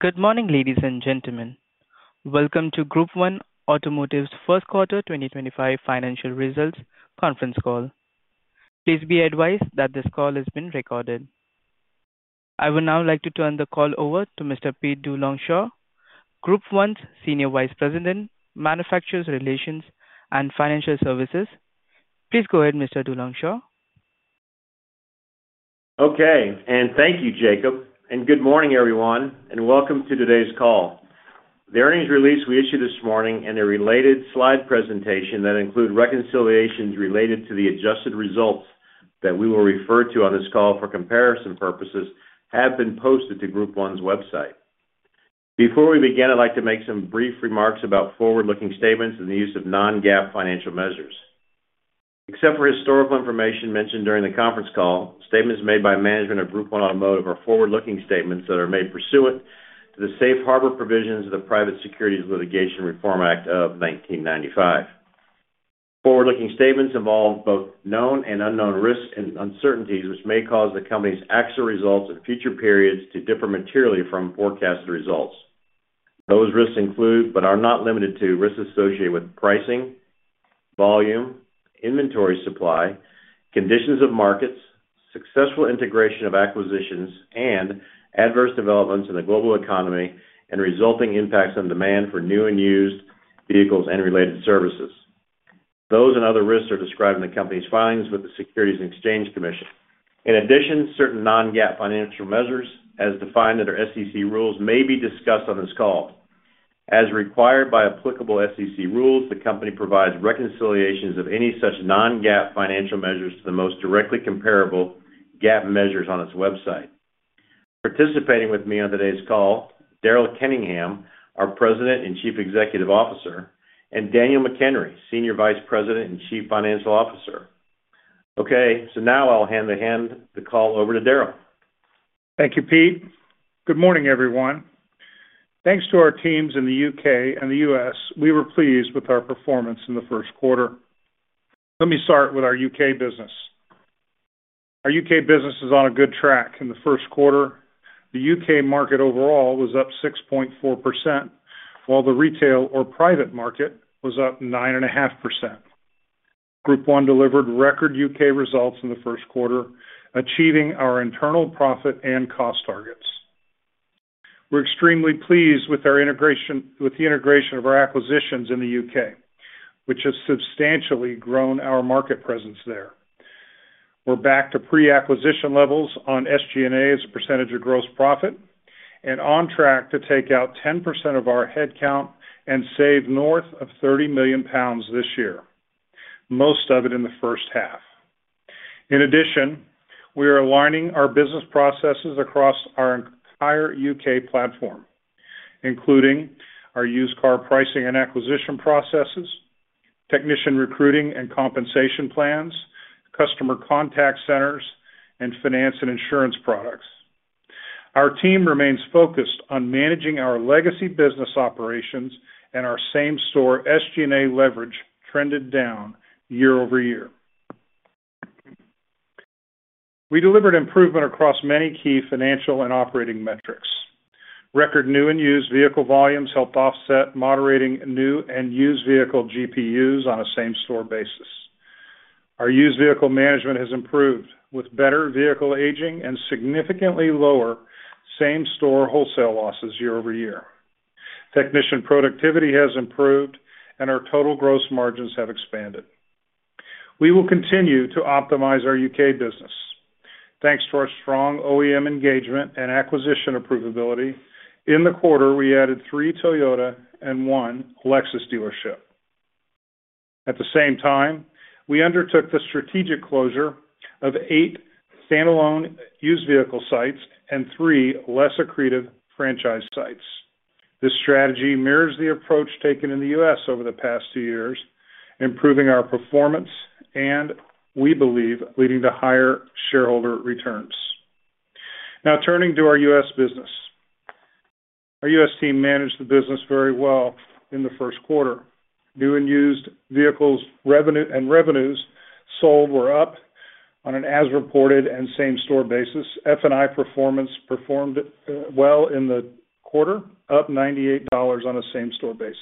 Good morning, ladies and gentlemen. Welcome to Group 1 Automotive's First Quarter 2025 Financial Results Conference Call. Please be advised that this call has been recorded. I would now like to turn the call over to Mr. Pete DeLongchamps, Group 1's Senior Vice President, Manufacturers Relations and Financial Services. Please go ahead, Mr. DeLongchamps. Okay. Thank you, Jacob. Good morning, everyone, and welcome to today's call. The earnings release we issued this morning and the related slide presentation that include reconciliations related to the adjusted results that we will refer to on this call for comparison purposes have been posted to Group 1's website. Before we begin, I'd like to make some brief remarks about forward-looking statements and the use of non-GAAP financial measures. Except for historical information mentioned during the conference call, statements made by management of Group 1 Automotive are forward-looking statements that are made pursuant to the Safe Harbor Provisions of the Private Securities Litigation Reform Act of 1995. Forward-looking statements involve both known and unknown risks and uncertainties which may cause the company's actual results in future periods to differ materially from forecasted results. Those risks include, but are not limited to, risks associated with pricing, volume, inventory supply, conditions of markets, successful integration of acquisitions, and adverse developments in the global economy and resulting impacts on demand for new and used vehicles and related services. Those and other risks are described in the company's filings with the Securities and Exchange Commission. In addition, certain non-GAAP financial measures, as defined under SEC rules, may be discussed on this call. As required by applicable SEC rules, the company provides reconciliations of any such non-GAAP financial measures to the most directly comparable GAAP measures on its website. Participating with me on today's call, Daryl Kenningham, our President and Chief Executive Officer, and Daniel McHenry, Senior Vice President and Chief Financial Officer. Okay. Now I'll hand the call over to Daryl. Thank you, Peter. Good morning, everyone. Thanks to our teams in the U.K. and the U.S., we were pleased with our performance in the first quarter. Let me start with our U.K. business. Our U.K. business is on a good track in the first quarter. The U.K. market overall was up 6.4%, while the retail or private market was up 9.5%. Group 1 delivered record U.K. results in the first quarter, achieving our internal profit and cost targets. We're extremely pleased with the integration of our acquisitions in the U.K., which has substantially grown our market presence there. We're back to pre-acquisition levels on SG&A as a percentage of gross profit and on track to take out 10% of our headcount and save north of 30 million pounds this year, most of it in the first half. In addition, we are aligning our business processes across our entire U.K. platform, including our used car pricing and acquisition processes, technician recruiting and compensation plans, customer contact centers, and finance and insurance products. Our team remains focused on managing our legacy business operations and our same-store SG&A leverage trended down year over year. We delivered improvement across many key financial and operating metrics. Record new and used vehicle volumes helped offset moderating new and used vehicle GPUs on a same-store basis. Our used vehicle management has improved with better vehicle aging and significantly lower same-store wholesale losses year over year. Technician productivity has improved, and our total gross margins have expanded. We will continue to optimize our U.K. business. Thanks to our strong OEM engagement and acquisition approvability, in the quarter, we added three Toyota and one Lexus dealership. At the same time, we undertook the strategic closure of eight standalone used vehicle sites and three less accretive franchise sites. This strategy mirrors the approach taken in the U.S. over the past two years, improving our performance and, we believe, leading to higher shareholder returns. Now, turning to our U.S. business. Our U.S. team managed the business very well in the first quarter. New and used vehicles and revenues sold were up on an as-reported and same-store basis. F&I performance performed well in the quarter, up $98 on a same-store basis,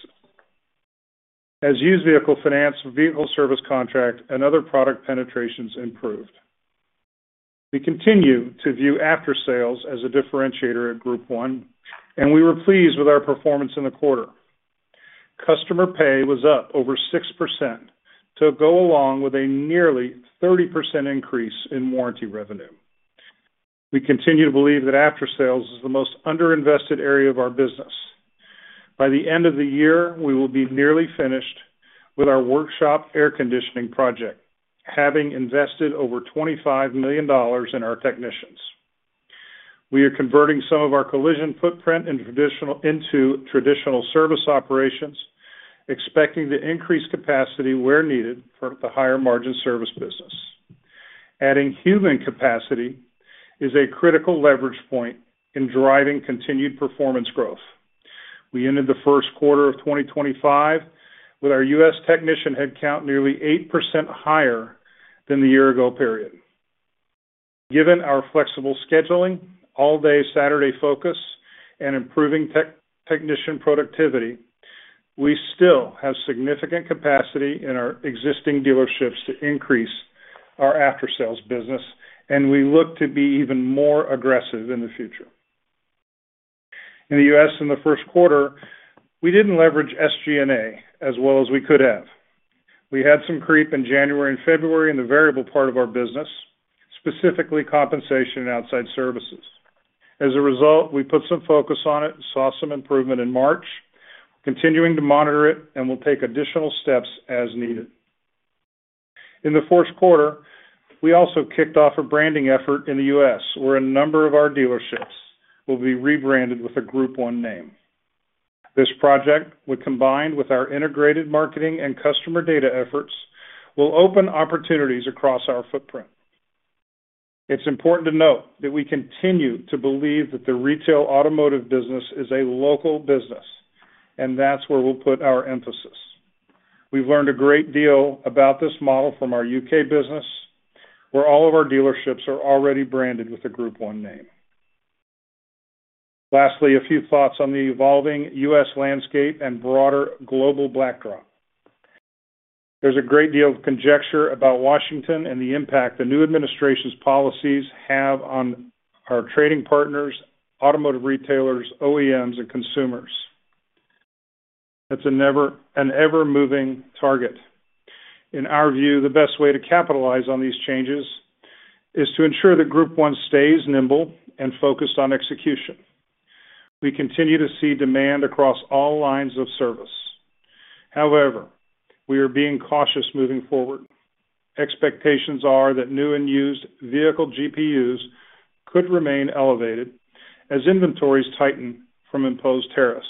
as used vehicle finance, vehicle service contract, and other product penetrations improved. We continue to view after-sales as a differentiator at Group 1, and we were pleased with our performance in the quarter. Customer pay was up over 6% to go along with a nearly 30% increase in warranty revenue. We continue to believe that after-sales is the most underinvested area of our business. By the end of the year, we will be nearly finished with our workshop air conditioning project, having invested over $25 million in our technicians. We are converting some of our collision footprint into traditional service operations, expecting to increase capacity where needed for the higher-margin service business. Adding human capacity is a critical leverage point in driving continued performance growth. We ended the first quarter of 2025 with our U.S. technician headcount nearly 8% higher than the year-ago period. Given our flexible scheduling, all-day Saturday focus, and improving technician productivity, we still have significant capacity in our existing dealerships to increase our after-sales business, and we look to be even more aggressive in the future. In the U.S., in the first quarter, we did not leverage SG&A as well as we could have. We had some creep in January and February in the variable part of our business, specifically compensation and outside services. As a result, we put some focus on it and saw some improvement in March, continuing to monitor it, and we'll take additional steps as needed. In the fourth quarter, we also kicked off a branding effort in the U.S. where a number of our dealerships will be rebranded with a Group 1 name. This project, combined with our integrated marketing and customer data efforts, will open opportunities across our footprint. It's important to note that we continue to believe that the retail automotive business is a local business, and that's where we'll put our emphasis. We've learned a great deal about this model from our U.K. business, where all of our dealerships are already branded with the Group 1 name. Lastly, a few thoughts on the evolving U.S. landscape and broader global backdrop. There's a great deal of conjecture about Washington and the impact the new administration's policies have on our trading partners, automotive retailers, OEMs, and consumers. That's an ever-moving target. In our view, the best way to capitalize on these changes is to ensure that Group 1 stays nimble and focused on execution. We continue to see demand across all lines of service. However, we are being cautious moving forward. Expectations are that new and used vehicle GPUs could remain elevated as inventories tighten from imposed tariffs.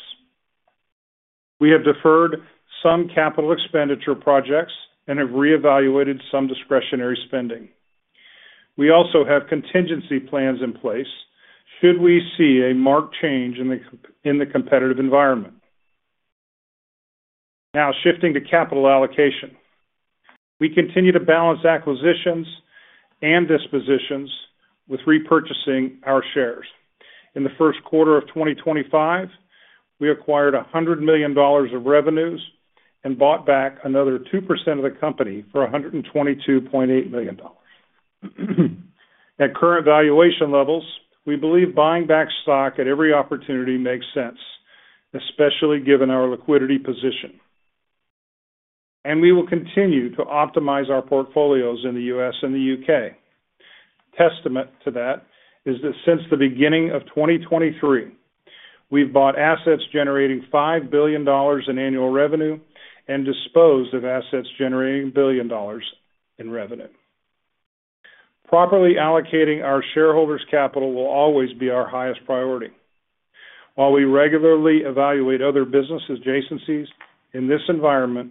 We have deferred some capital expenditure projects and have reevaluated some discretionary spending. We also have contingency plans in place should we see a marked change in the competitive environment. Now, shifting to capital allocation. We continue to balance acquisitions and dispositions with repurchasing our shares. In the first quarter of 2025, we acquired $100 million of revenues and bought back another 2% of the company for $122.8 million. At current valuation levels, we believe buying back stock at every opportunity makes sense, especially given our liquidity position. We will continue to optimize our portfolios in the U.S. and the U.K. Testament to that is that since the beginning of 2023, we've bought assets generating $5 billion in annual revenue and disposed of assets generating $1 billion in revenue. Properly allocating our shareholders' capital will always be our highest priority. While we regularly evaluate other business adjacencies in this environment,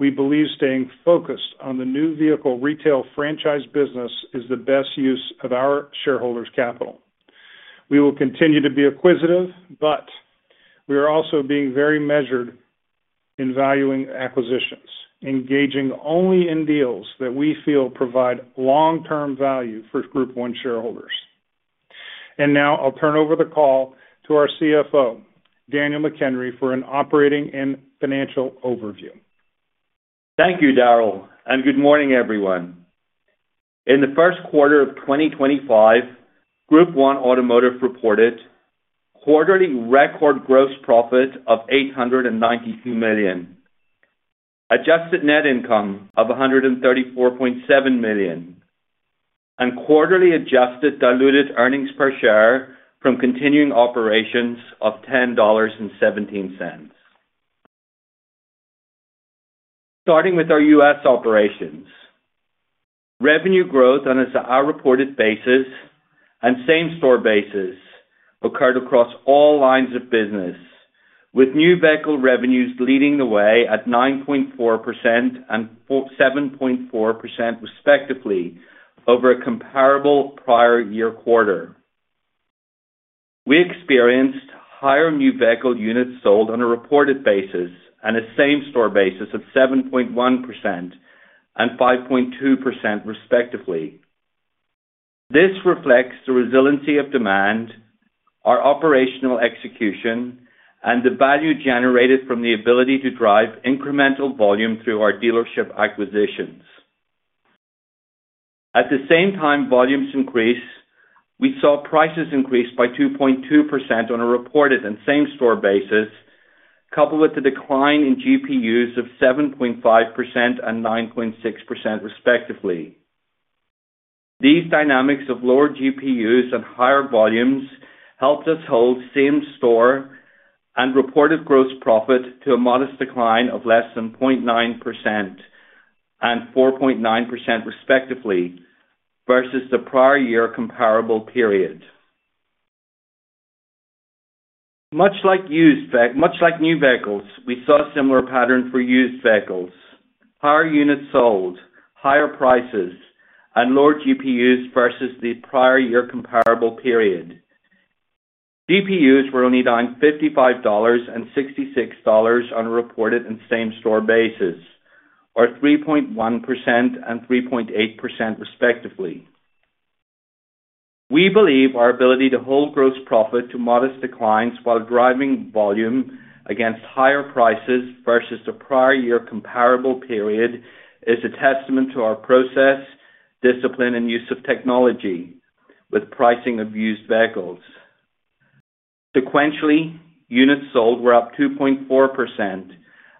we believe staying focused on the new vehicle retail franchise business is the best use of our shareholders' capital. We will continue to be acquisitive, but we are also being very measured in valuing acquisitions, engaging only in deals that we feel provide long-term value for Group 1 shareholders. I will now turn over the call to our CFO, Daniel McHenry, for an operating and financial overview. Thank you, Daryl. Good morning, everyone. In the first quarter of 2025, Group 1 Automotive reported quarterly record gross profit of $892 million, adjusted net income of $134.7 million, and quarterly adjusted diluted earnings per share from continuing operations of $10.17. Starting with our U.S. operations, revenue growth on a reported basis and same-store basis occurred across all lines of business, with new vehicle revenues leading the way at 9.4% and 7.4%, respectively, over a comparable prior year quarter. We experienced higher new vehicle units sold on a reported basis and a same-store basis of 7.1% and 5.2%, respectively. This reflects the resiliency of demand, our operational execution, and the value generated from the ability to drive incremental volume through our dealership acquisitions. At the same time volumes increased, we saw prices increase by 2.2% on a reported and same-store basis, coupled with the decline in GPUs of 7.5% and 9.6%, respectively. These dynamics of lower GPUs and higher volumes helped us hold same-store and reported gross profit to a modest decline of less than 0.9% and 4.9%, respectively, versus the prior year comparable period. Much like new vehicles, we saw a similar pattern for used vehicles: higher units sold, higher prices, and lower GPUs versus the prior year comparable period. GPUs were only $55 and $66 on a reported and same-store basis, or 3.1% and 3.8%, respectively. We believe our ability to hold gross profit to modest declines while driving volume against higher prices versus the prior year comparable period is a testament to our process, discipline, and use of technology with pricing of used vehicles. Sequentially, units sold were up 2.4%,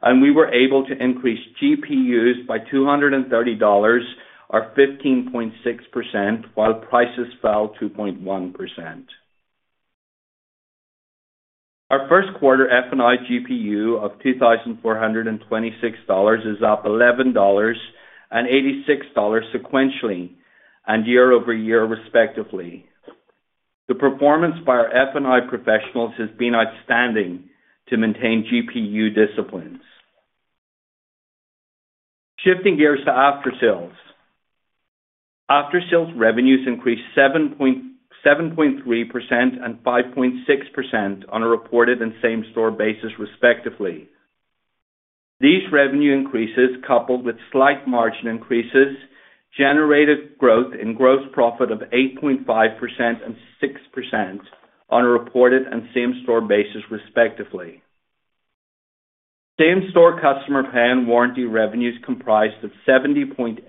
and we were able to increase GPUs by $230, or 15.6%, while prices fell 2.1%. Our first quarter F&I GPU of $2,426 is up $11 and $86 sequentially and year over year, respectively. The performance by our F&I professionals has been outstanding to maintain GPU disciplines. Shifting gears to after-sales, after-sales revenues increased 7.3% and 5.6% on a reported and same-store basis, respectively. These revenue increases, coupled with slight margin increases, generated growth in gross profit of 8.5% and 6% on a reported and same-store basis, respectively. Same-store customer pay and warranty revenues comprised 70.8%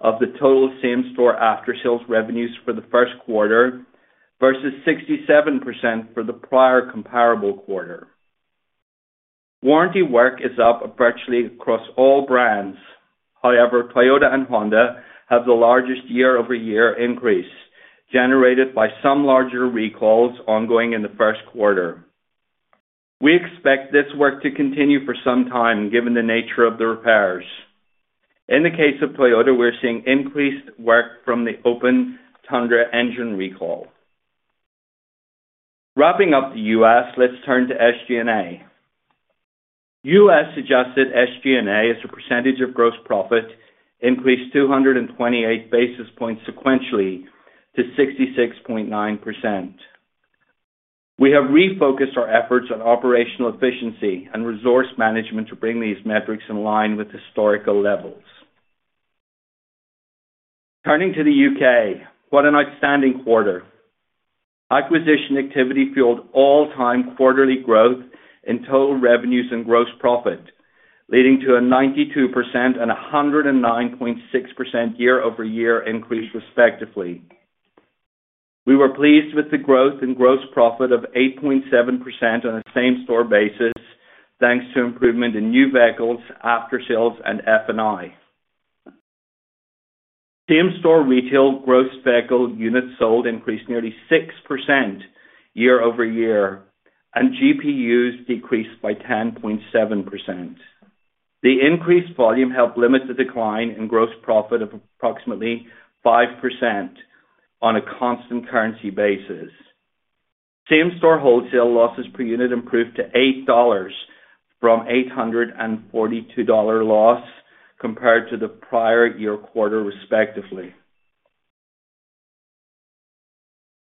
of the total same-store after-sales revenues for the first quarter versus 67% for the prior comparable quarter. Warranty work is up abruptly across all brands. However, Toyota and Honda have the largest year-over-year increase generated by some larger recalls ongoing in the first quarter. We expect this work to continue for some time given the nature of the repairs. In the case of Toyota, we're seeing increased work from the open Tundra engine recall. Wrapping up the U.S., let's turn to SG&A. U.S. adjusted SG&A as a percentage of gross profit increased 228 basis points sequentially to 66.9%. We have refocused our efforts on operational efficiency and resource management to bring these metrics in line with historical levels. Turning to the U.K., what an outstanding quarter. Acquisition activity fueled all-time quarterly growth in total revenues and gross profit, leading to a 92% and 109.6% year-over-year increase, respectively. We were pleased with the growth in gross profit of 8.7% on a same-store basis, thanks to improvement in new vehicles, after-sales, and F&I. Same-store retail gross vehicle units sold increased nearly 6% year-over-year, and GPUs decreased by 10.7%. The increased volume helped limit the decline in gross profit of approximately 5% on a constant currency basis. Same-store wholesale losses per unit improved to $8 from $842 loss compared to the prior year quarter, respectively.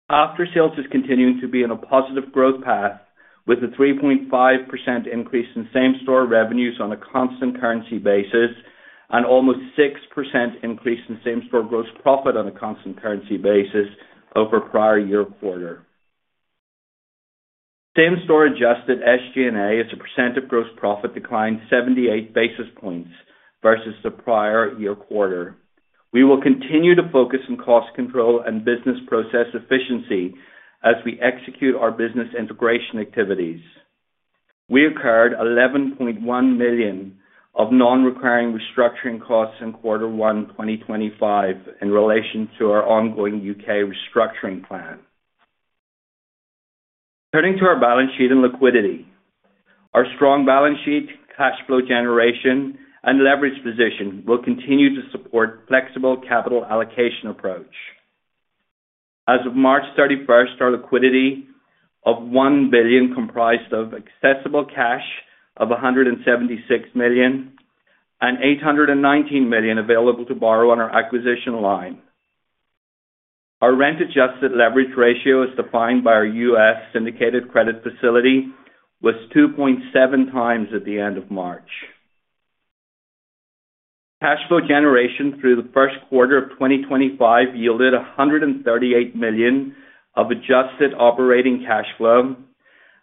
After-sales is continuing to be on a positive growth path with a 3.5% increase in same-store revenues on a constant currency basis and almost 6% increase in same-store gross profit on a constant currency basis over prior year quarter. Same-store adjusted SG&A as a percent of gross profit declined 78 basis points versus the prior year quarter. We will continue to focus on cost control and business process efficiency as we execute our business integration activities. We incurred $11.1 million of non-recurring restructuring costs in quarter one 2025 in relation to our ongoing U.K. restructuring plan. Turning to our balance sheet and liquidity. Our strong balance sheet, cash flow generation, and leverage position will continue to support a flexible capital allocation approach. As of March 31, our liquidity of $1 billion comprised of accessible cash of $176 million and $819 million available to borrow on our acquisition line. Our rent-adjusted leverage ratio as defined by our U.S. syndicated credit facility was 2.7 times at the end of March. Cash flow generation through the first quarter of 2025 yielded $138 million of adjusted operating cash flow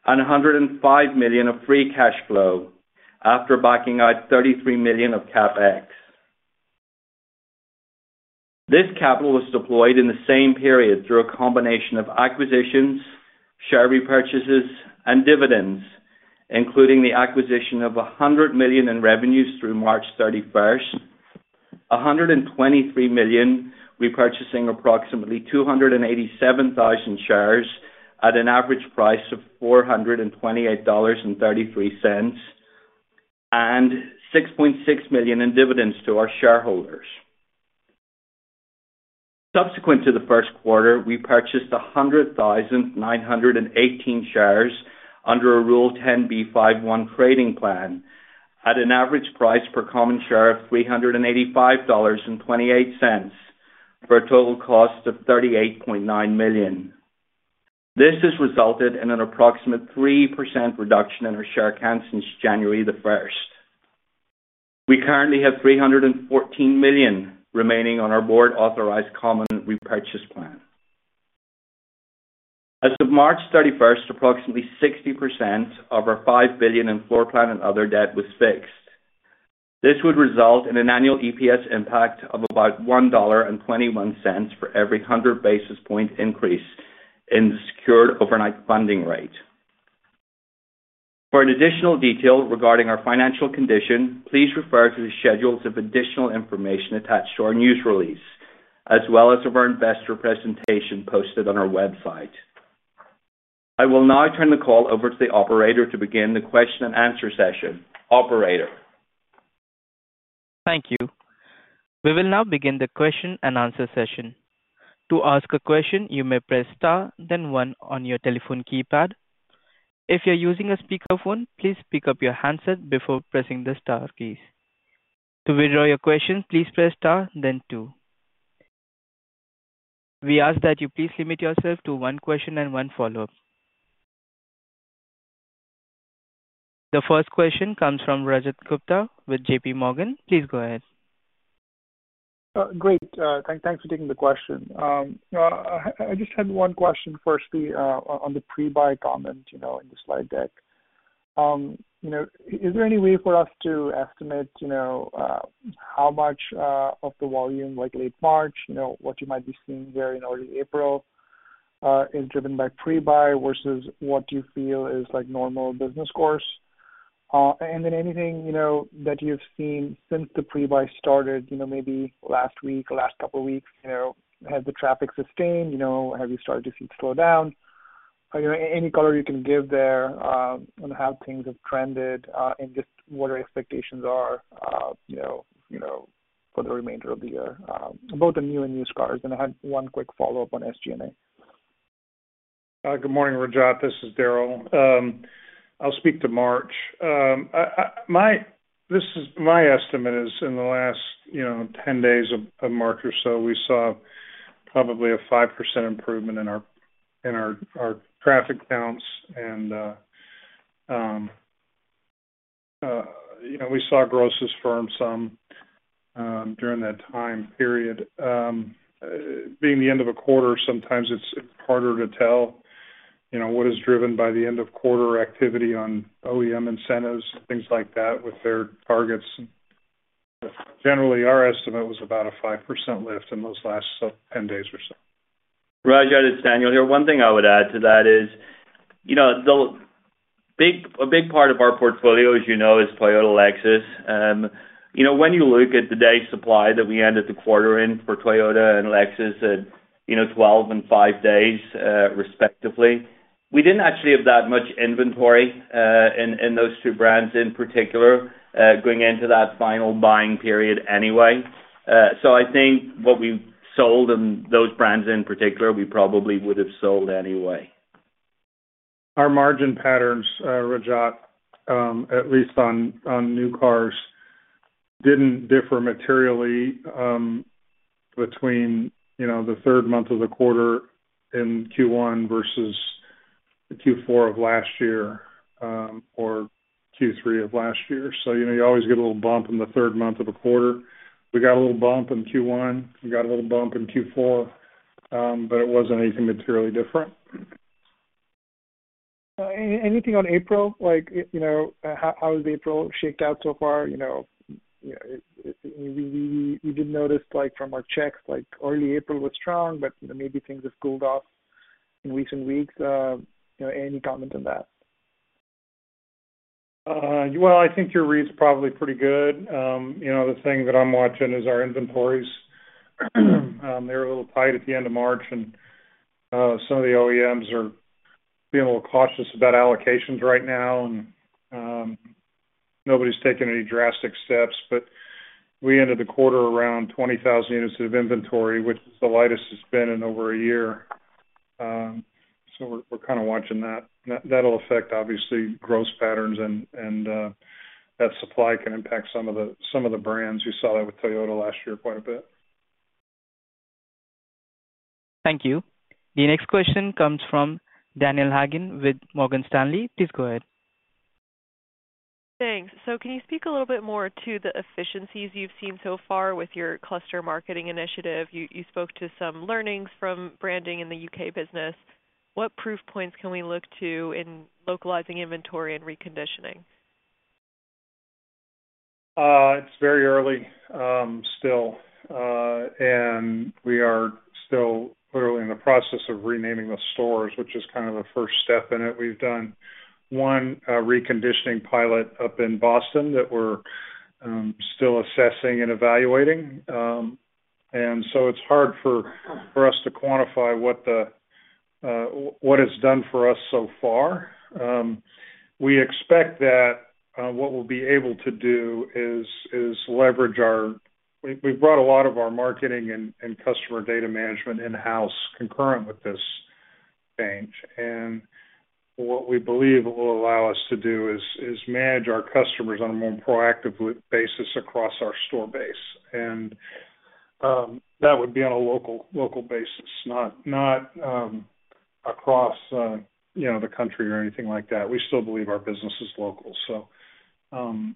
and $105 million of free cash flow after backing out $33 million of CapEx. This capital was deployed in the same period through a combination of acquisitions, share repurchases, and dividends, including the acquisition of $100 million in revenues through March 31, $123 million repurchasing approximately 287,000 shares at an average price of $428.33, and $6.6 million in dividends to our shareholders. Subsequent to the first quarter, we purchased 100,918 shares under a Rule 10b5-1 trading plan at an average price per common share of $385.28 for a total cost of $38.9 million. This has resulted in an approximate 3% reduction in our share counts since January the 1st. We currently have $314 million remaining on our board-authorized common repurchase plan. As of March 31st, approximately 60% of our $5 billion in floor plan and other debt was fixed. This would result in an annual EPS impact of about $1.21 for every 100 basis point increase in the Secured Overnight Funding Rate. For additional detail regarding our financial condition, please refer to the schedules of additional information attached to our news release, as well as of our investor presentation posted on our website. I will now turn the call over to the operator to begin the question-and-answer session. Operator. Thank you. We will now begin the question-and-answer session. To ask a question, you may press Star, then one on your telephone keypad. If you're using a speakerphone, please pick up your handset before pressing the Star keys. To withdraw your question, please press Star, then two. We ask that you please limit yourself to one question and one follow-up. The first question comes from Rajat Gupta with JPMorgan. Please go ahead. Great. Thanks for taking the question. I just had one question firstly on the pre-buy comment in the slide deck. Is there any way for us to estimate how much of the volume, like late March, what you might be seeing there in early April, is driven by pre-buy versus what you feel is normal business course? Anything that you've seen since the pre-buy started, maybe last week or last couple of weeks, has the traffic sustained? Have you started to see it slow down? Any color you can give there on how things have trended and just what our expectations are for the remainder of the year about the new and used cars. I had one quick follow-up on SG&A. Good morning, Rajat. This is Daryl. I'll speak to March. My estimate is in the last 10 days of March or so, we saw probably a 5% improvement in our traffic counts. And we saw grosses firm some during that time period. Being the end of a quarter, sometimes it's harder to tell what is driven by the end-of-quarter activity on OEM incentives, things like that, with their targets. Generally, our estimate was about a 5% lift in those last 10 days or so. Rajat, Daniel here. One thing I would add to that is a big part of our portfolio, as you know, is Toyota, Lexus. When you look at the day supply that we ended the quarter in for Toyota and Lexus at 12 and 5 days, respectively, we did not actually have that much inventory in those two brands in particular going into that final buying period anyway. I think what we sold in those brands in particular, we probably would have sold anyway. Our margin patterns, Rajat, at least on new cars, did not differ materially between the third month of the quarter in Q1 versus Q4 of last year or Q3 of last year. You always get a little bump in the third month of a quarter. We got a little bump in Q1. We got a little bump in Q4, but it was not anything materially different. Anything on April? How has April shaked out so far? We did notice from our checks early April was strong, but maybe things have cooled off in recent weeks. Any comment on that? I think your reads are probably pretty good. The thing that I'm watching is our inventories. They were a little tight at the end of March, and some of the OEMs are being a little cautious about allocations right now. Nobody's taken any drastic steps, but we ended the quarter around 20,000 units of inventory, which is the lightest it's been in over a year. We're kind of watching that. That'll affect, obviously, gross patterns, and that supply can impact some of the brands. You saw that with Toyota last year quite a bit. Thank you. The next question comes from Daniel McHenry with Morgan Stanley. Please go ahead. Thanks. Can you speak a little bit more to the efficiencies you've seen so far with your cluster marketing initiative? You spoke to some learnings from branding in the U.K. business. What proof points can we look to in localizing inventory and reconditioning? It's very early still, and we are still literally in the process of renaming the stores, which is kind of the first step in it. We've done one reconditioning pilot up in Boston that we're still assessing and evaluating. It's hard for us to quantify what it's done for us so far. We expect that what we'll be able to do is leverage our—we've brought a lot of our marketing and customer data management in-house concurrent with this change. What we believe it will allow us to do is manage our customers on a more proactive basis across our store base. That would be on a local basis, not across the country or anything like that. We still believe our business is local.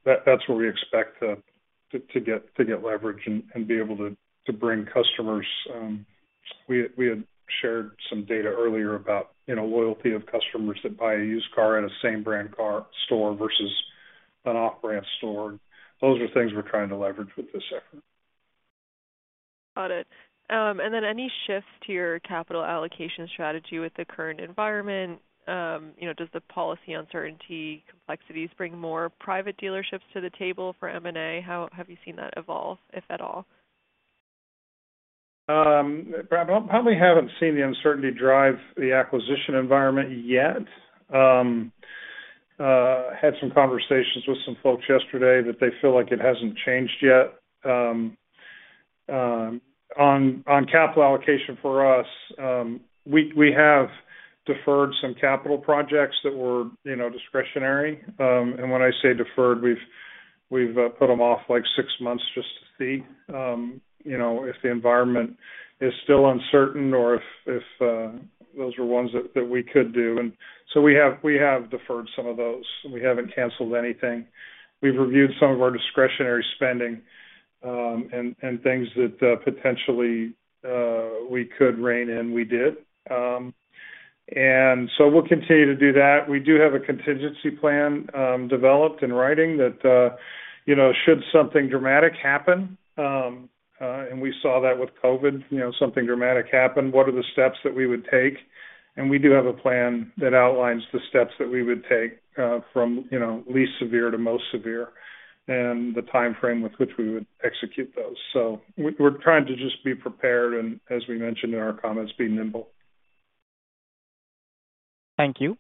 That's where we expect to get leverage and be able to bring customers. We had shared some data earlier about loyalty of customers that buy a used car at a same-brand store versus an off-brand store. Those are things we're trying to leverage with this effort. Got it. Any shifts to your capital allocation strategy with the current environment? Does the policy uncertainty complexities bring more private dealerships to the table for M&A? How have you seen that evolve, if at all? Probably have not seen the uncertainty drive the acquisition environment yet. I had some conversations with some folks yesterday that they feel like it has not changed yet. On capital allocation for us, we have deferred some capital projects that were discretionary. When I say deferred, we have put them off like six months just to see if the environment is still uncertain or if those are ones that we could do. We have deferred some of those. We have not canceled anything. We have reviewed some of our discretionary spending and things that potentially we could rein in. We did. We will continue to do that. We do have a contingency plan developed in writing that should something dramatic happen—like we saw with COVID—something dramatic happen, what are the steps that we would take? We do have a plan that outlines the steps that we would take from least severe to most severe and the timeframe with which we would execute those. We are trying to just be prepared and, as we mentioned in our comments, be nimble. Thank you.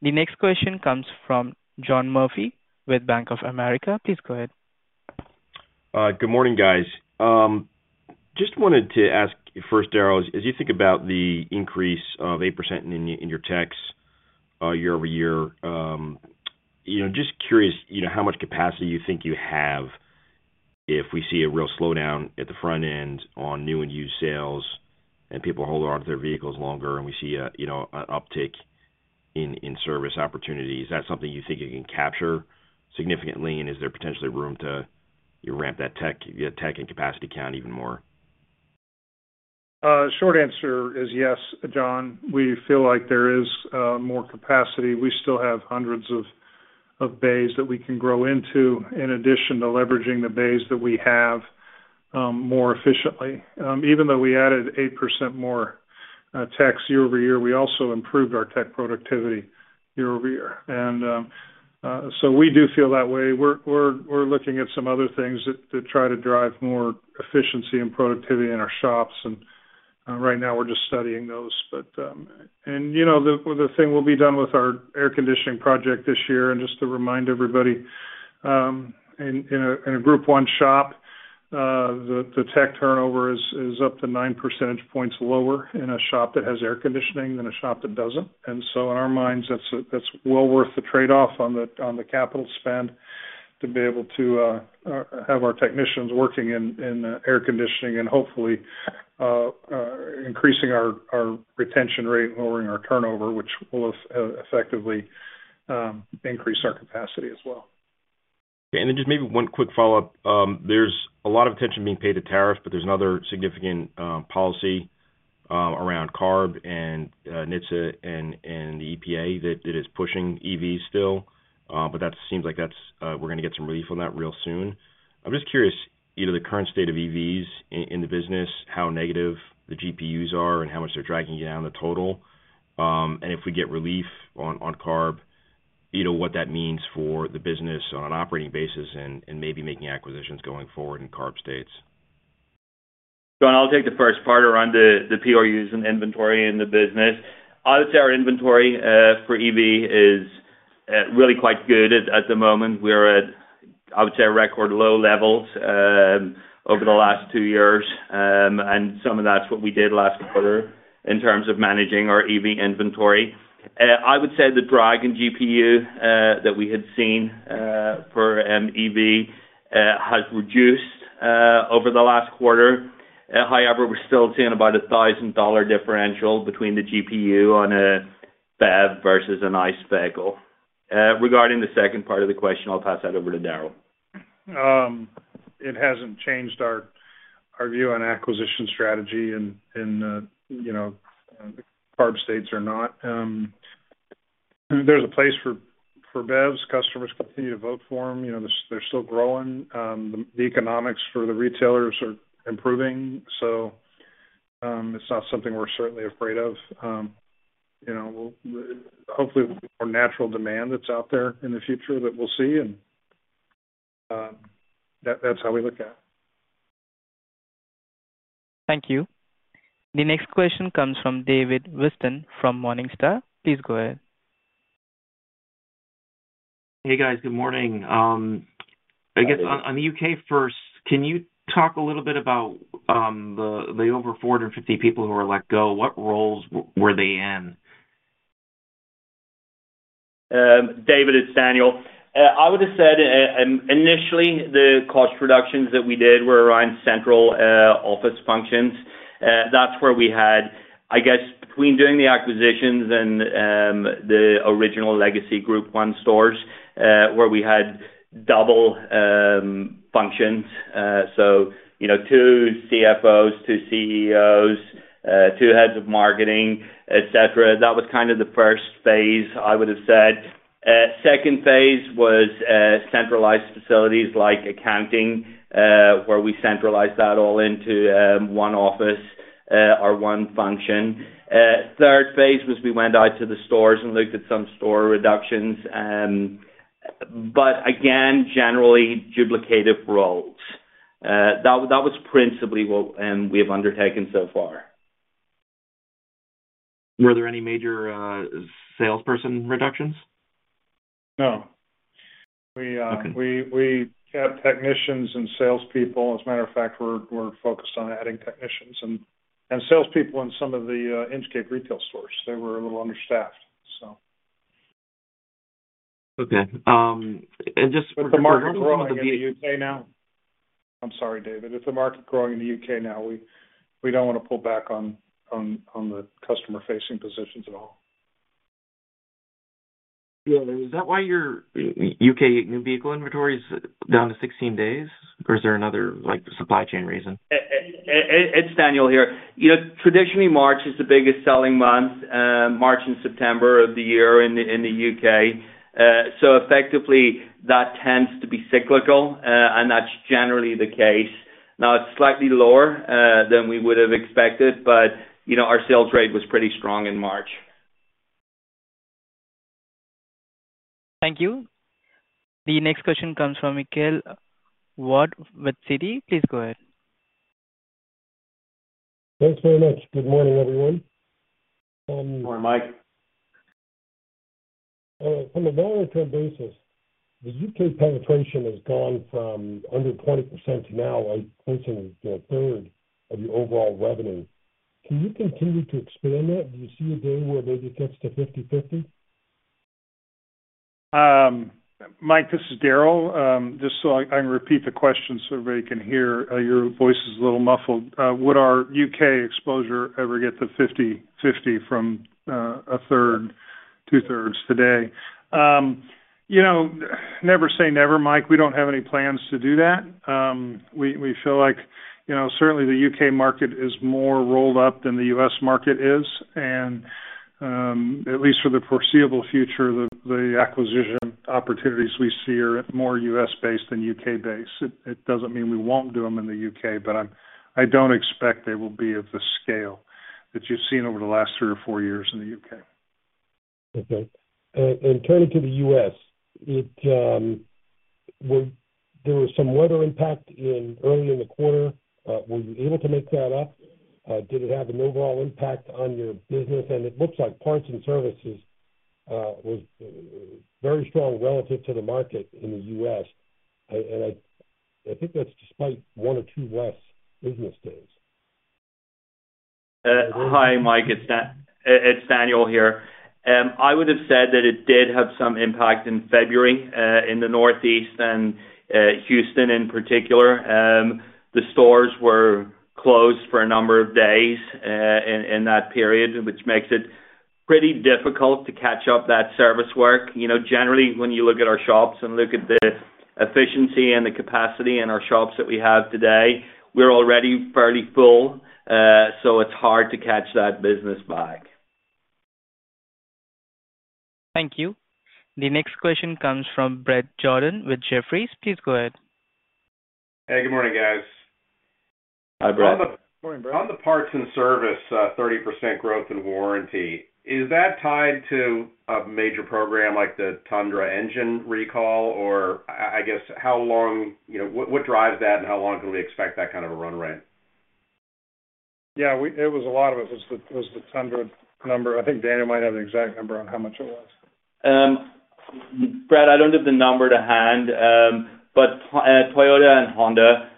The next question comes from John Murphy with Bank of America. Please go ahead. Good morning, guys. Just wanted to ask first, Daryl, as you think about the increase of 8% in your tech year over year, just curious how much capacity you think you have if we see a real slowdown at the front end on new and used sales and people hold on to their vehicles longer and we see an uptick in service opportunities. Is that something you think you can capture significantly? Is there potentially room to ramp that tech and capacity count even more? Short answer is yes, John. We feel like there is more capacity. We still have hundreds of bays that we can grow into in addition to leveraging the bays that we have more efficiently. Even though we added 8% more techs year over year, we also improved our tech productivity year over year. We do feel that way. We are looking at some other things to try to drive more efficiency and productivity in our shops. Right now, we are just studying those. The thing will be done with our air conditioning project this year. Just to remind everybody, in a Group 1 shop, the tech turnover is up to 9 percentage points lower in a shop that has air conditioning than a shop that does not. In our minds, that's well worth the trade-off on the capital spend to be able to have our technicians working in air conditioning and hopefully increasing our retention rate and lowering our turnover, which will effectively increase our capacity as well. Okay. And then just maybe one quick follow-up. There's a lot of attention being paid to tariffs, but there's another significant policy around CARB and NHTSA and the EPA that is pushing EVs still. That seems like we're going to get some relief on that real soon. I'm just curious, the current state of EVs in the business, how negative the GPUs are and how much they're dragging you down the total. If we get relief on CARB, what that means for the business on an operating basis and maybe making acquisitions going forward in CARB states. John, I'll take the first part around the POUs and inventory in the business. I would say our inventory for EV is really quite good at the moment. We're at, I would say, record low levels over the last two years. Some of that's what we did last quarter in terms of managing our EV inventory. I would say the drag in GPU that we had seen for EV has reduced over the last quarter. However, we're still seeing about a $1,000 differential between the GPU on a BEV versus an ICE vehicle. Regarding the second part of the question, I'll pass that over to Daryl. It has not changed our view on acquisition strategy in the CARB states or not. There is a place for BEVs. Customers continue to vote for them. They are still growing. The economics for the retailers are improving. It is not something we are certainly afraid of. Hopefully, there will be more natural demand that is out there in the future that we will see. That is how we look at it. Thank you. The next question comes from David Whiston from Morningstar. Please go ahead. Hey, guys. Good morning. I guess on the U.K. first, can you talk a little bit about the over 450 people who were let go? What roles were they in? David, it's Daniel. I would have said initially, the cost reductions that we did were around central office functions. That's where we had, I guess, between doing the acquisitions and the original legacy Group 1 stores where we had double functions. So two CFOs, two CEOs, two heads of marketing, etc. That was kind of the first phase, I would have said. Second phase was centralized facilities like accounting where we centralized that all into one office or one function. Third phase was we went out to the stores and looked at some store reductions. Again, generally duplicative roles. That was principally what we have undertaken so far. Were there any major salesperson reductions? No. We kept technicians and salespeople. As a matter of fact, we're focused on adding technicians and salespeople in some of the Inchcape retail stores. They were a little understaffed, so. Okay. Just. If the market's growing in the U.K. now, I'm sorry, David. If the market's growing in the U.K. now, we don't want to pull back on the customer-facing positions at all. Yeah. Is that why your U.K. vehicle inventory is down to 16 days? Or is there another supply chain reason? It's Daniel here. Traditionally, March is the biggest selling month, March and September of the year in the U.K. That tends to be cyclical, and that's generally the case. Now, it's slightly lower than we would have expected, but our sales rate was pretty strong in March. Thank you. The next question comes from Michael Ward with TD Cowen. Please go ahead. Thanks very much. Good morning, everyone. Good morning, Mike. On a monitoring basis, the U.K. penetration has gone from under 20% to now like close to a third of your overall revenue. Can you continue to expand that? Do you see a day where maybe it gets to 50/50? Mike, this is Daryl. Just so I can repeat the question so everybody can hear, your voice is a little muffled. Would our U.K. exposure ever get to 50/50 from a third, two-thirds today? Never say never, Mike. We do not have any plans to do that. We feel like certainly the U.K. market is more rolled up than the U.S. market is. At least for the foreseeable future, the acquisition opportunities we see are more U.S.-based than U.K.-based. It does not mean we will not do them in the U.K., but I do not expect they will be of the scale that you have seen over the last three or four years in the U.K. Okay. Turning to the U.S., there was some weather impact early in the quarter. Were you able to make that up? Did it have an overall impact on your business? It looks like parts and service was very strong relative to the market in the U.S., and I think that's despite one or two less business days. Hi, Mike. It's Daniel here. I would have said that it did have some impact in February in the Northeast and Houston in particular. The stores were closed for a number of days in that period, which makes it pretty difficult to catch up that service work. Generally, when you look at our shops and look at the efficiency and the capacity in our shops that we have today, we're already fairly full. It is hard to catch that business back. Thank you. The next question comes from Brett Jordan with Jefferies. Please go ahead. Hey, good morning, guys. Hi, Brett. On the parts and service, 30% growth in warranty. Is that tied to a major program like the Tundra engine recall? Or I guess how long what drives that, and how long can we expect that kind of a run rate? Yeah. It was a lot of us. It was the Tundra number. I think Daniel might have the exact number on how much it was. Brett, I don't have the number to hand, but Toyota and Honda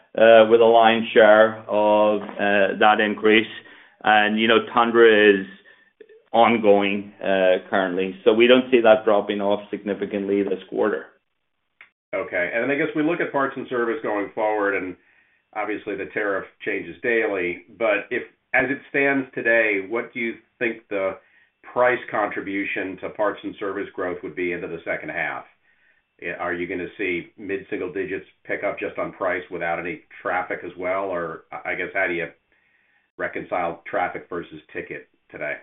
were the lion's share of that increase. Tundra is ongoing currently. We don't see that dropping off significantly this quarter. Okay. I guess we look at parts and service going forward, and obviously, the tariff changes daily. As it stands today, what do you think the price contribution to parts and service growth would be into the second half? Are you going to see mid-single digits pick up just on price without any traffic as well? I guess, how do you reconcile traffic versus ticket today?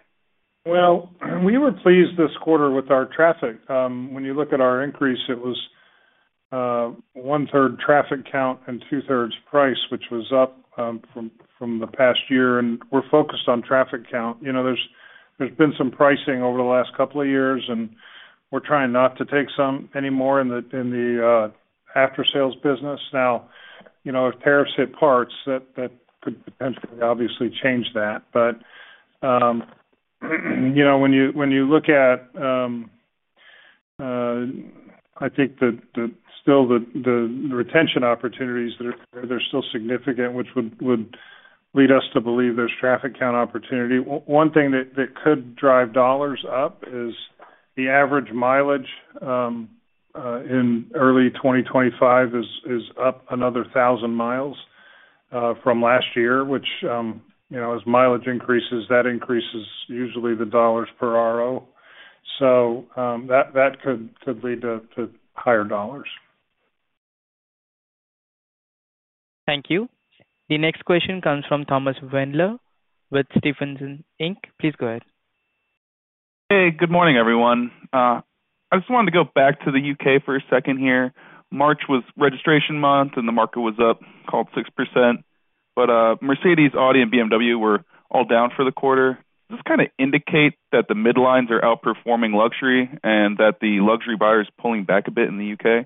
We were pleased this quarter with our traffic. When you look at our increase, it was one-third traffic count and two-thirds price, which was up from the past year. We are focused on traffic count. There has been some pricing over the last couple of years, and we are trying not to take some anymore in the after-sales business. If tariffs hit parts, that could potentially obviously change that. When you look at, I think, still the retention opportunities, they are still significant, which would lead us to believe there is traffic count opportunity. One thing that could drive dollars up is the average mileage in early 2025 is up another 1,000 miles from last year, which as mileage increases, that increases usually the dollars per RO. That could lead to higher dollars. Thank you. The next question comes from Thomas Wendler with Stephens Inc. Please go ahead. Hey, good morning, everyone. I just wanted to go back to the U.K. for a second here. March was registration month, and the market was up, called 6%. Mercedes, Audi, and BMW were all down for the quarter. Does this kind of indicate that the mid-lines are outperforming luxury and that the luxury buyer is pulling back a bit in the U.K.?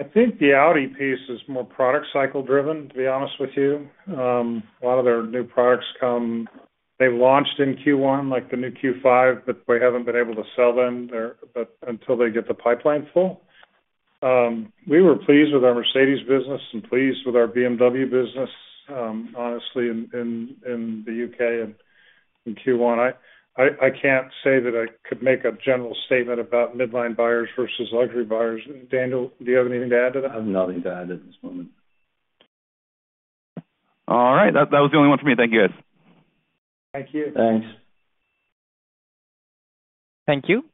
I think the Audi piece is more product-cycle-driven, to be honest with you. A lot of their new products come. They've launched in Q1, like the new Q5, but we haven't been able to sell them until they get the pipeline full. We were pleased with our Mercedes business and pleased with our BMW business, honestly, in the U.K. and Q1. I can't say that I could make a general statement about mid-line buyers versus luxury buyers. Daniel, do you have anything to add to that? I have nothing to add at this moment. All right. That was the only one for me. Thank you, guys. Thank you. Thanks. Thank you.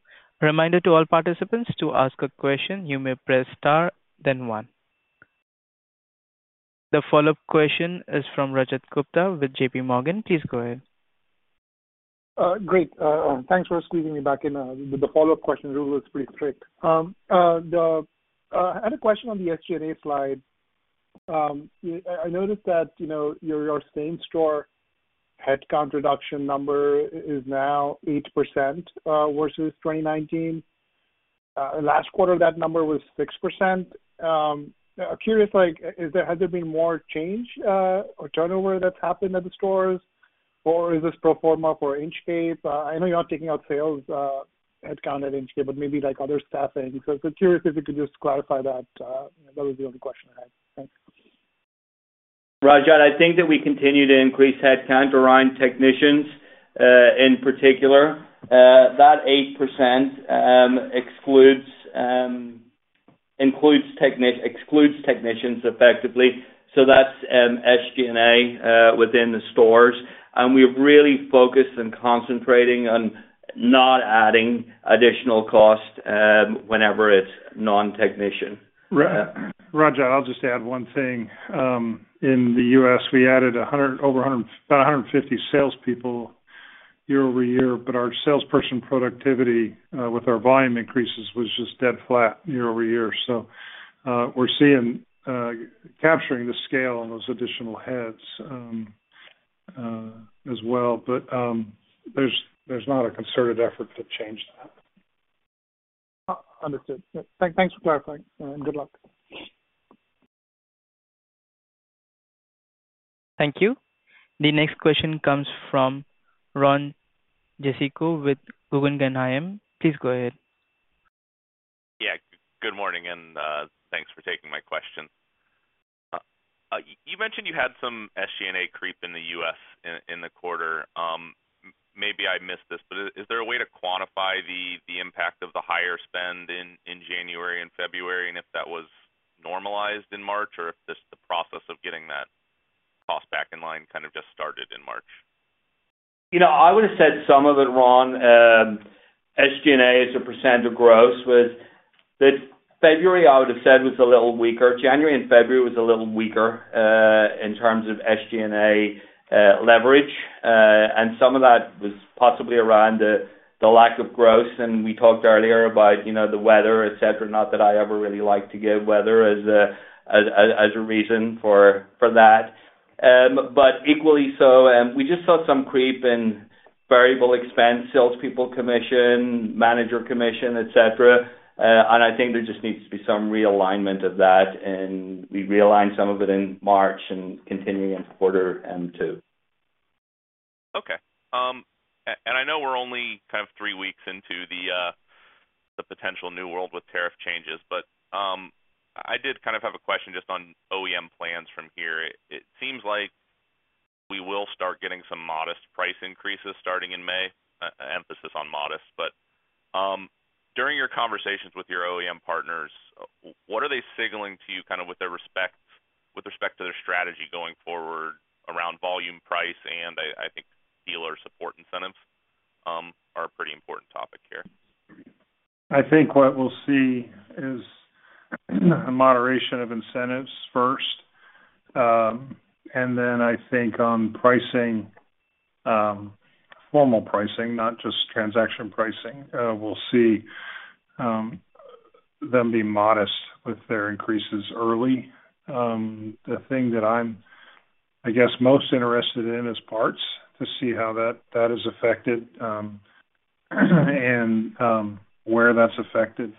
Reminder to all participants to ask a question. You may press star, then one. The follow-up question is from Rajat Gupta with JPMorgan. Please go ahead. Great. Thanks for squeezing me back in. The follow-up question rule is pretty strict. I had a question on the SG&A slide. I noticed that your same store headcount reduction number is now 8% versus 2019. Last quarter, that number was 6%. I'm curious, has there been more change or turnover that's happened at the stores, or is this pro forma for Inchcape? I know you're not taking out sales headcount at Inchcape, but maybe other staffing. I'm curious if you could just clarify that. That was the only question I had. Thanks. Rajat, I think that we continue to increase headcount around technicians in particular. That 8% excludes technicians effectively. That is SG&A within the stores. We have really focused and concentrated on not adding additional cost whenever it is non-technician. Right. Rajat, I'll just add one thing. In the U.S., we added over about 150 salespeople year over year, but our salesperson productivity with our volume increases was just dead flat year over year. We are capturing the scale on those additional heads as well. There is not a concerted effort to change that. Understood. Thanks for clarifying. Good luck. Thank you. The next question comes from Ron Jewsikow with Guggenheim. Please go ahead. Yeah. Good morning, and thanks for taking my question. You mentioned you had some SG&A creep in the U.S. in the quarter. Maybe I missed this, but is there a way to quantify the impact of the higher spend in January and February and if that was normalized in March or if the process of getting that cost back in line kind of just started in March? I would have said some of it, Ron. SG&A is a percent of gross. February I would have said was a little weaker. January and February was a little weaker in terms of SG&A leverage. Some of that was possibly around the lack of gross. We talked earlier about the weather, etc. Not that I ever really like to give weather as a reason for that. Equally so, we just saw some creep in variable expense, salespeople commission, manager commission, etc. I think there just needs to be some realignment of that. We realigned some of it in March and continue in quarter M2. Okay. I know we're only kind of three weeks into the potential new world with tariff changes, but I did kind of have a question just on OEM plans from here. It seems like we will start getting some modest price increases starting in May. Emphasis on modest. During your conversations with your OEM partners, what are they signaling to you kind of with respect to their strategy going forward around volume, price, and I think dealer support incentives are a pretty important topic here? I think what we'll see is a moderation of incentives first. Then I think on pricing, formal pricing, not just transaction pricing, we'll see them be modest with their increases early. The thing that I'm, I guess, most interested in is parts to see how that is affected and where that's affected.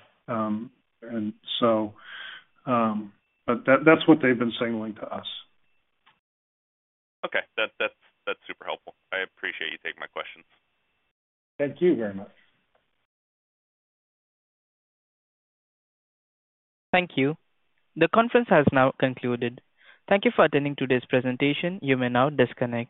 That's what they've been signaling to us. Okay. That's super helpful. I appreciate you taking my questions. Thank you very much. Thank you. The conference has now concluded. Thank you for attending today's presentation. You may now disconnect.